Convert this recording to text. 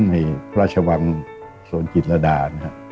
ในพระชวังสวนจิตรรดา